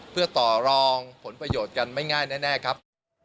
เพื่อต่อรองผลประโยชน์กันไม่ง่ายแน่ครับ